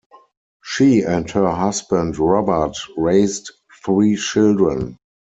She and her husband Robert raised three children.